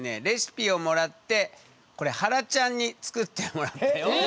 レシピをもらってこれはらちゃんに作ってもらったよ。